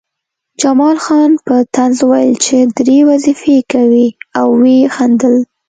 جمال خان په طنز وویل چې درې وظیفې کوې او ویې خندل